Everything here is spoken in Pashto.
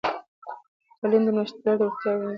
تعلیم د نوښتګرو وړتیاوې زیاتوي.